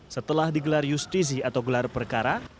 setelah digelar justisi atau gelar perkara